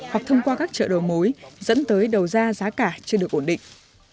hoặc thông qua các chợ đầu mối dẫn tới đầu ra giá cả chưa được ổn định